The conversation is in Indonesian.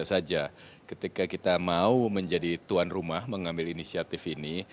bisa saja ketika kita mau menjadi tuan rumah mengambil inisiatif ini